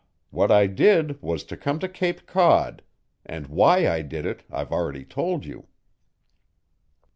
What I did was to come to Cape Cod and why I did it I've already told you."